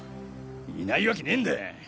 いないわけねぇんだ！